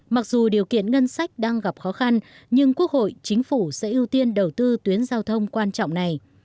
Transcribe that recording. mặc dù điều kiện ngân sách đang gặp khó khăn nhưng quốc hội chính phủ sẽ ưu tiên đầu tư tuyến giao thông quan trọng này